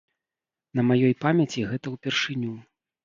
На маёй памяці гэта ўпершыню.